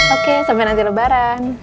oke sampai nanti lebaran